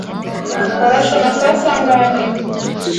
Warashe amasasu angahe?